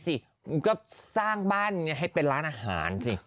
ก็สร้างบ้านให้เป็นร้านอาหารสิ